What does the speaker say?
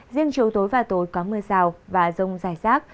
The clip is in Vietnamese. riêng chiều tối và tối có mưa rào và rông dài rác